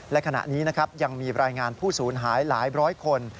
และขณะนี้นะครับยังมีรายงานผู้สูญหายหลายร้อยคน